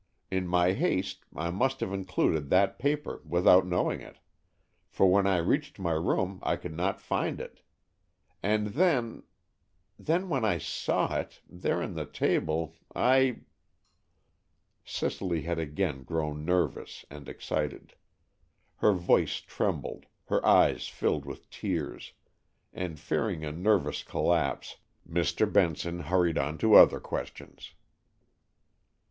In my haste I must have included that paper without knowing it, for when I reached my room I could not find it. And then—then when I saw it—there on the table—I——" Cicely had again grown nervous and excited. Her voice trembled, her eyes filled with tears, and, fearing a nervous collapse, Mr. Benson hurried on to other questions.